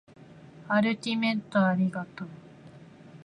アルティメットありがとう